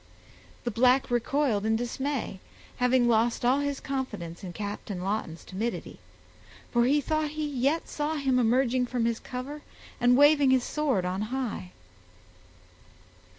The black recoiled in dismay, having lost all his confidence in Captain Lawton's timidity; for he thought he yet saw him emerging from his cover and waving his sword on high.